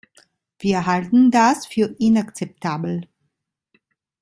Wir halten das für inakzeptabel.